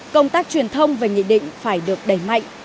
công tác truyền thông về nghị định phải được đẩy mạnh